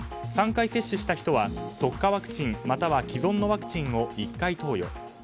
３回接種した人は特化ワクチンまたは既存のワクチンを１回投与。